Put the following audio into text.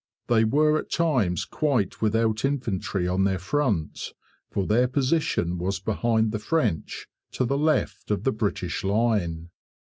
They were at times quite without infantry on their front, for their position was behind the French to the left of the British line.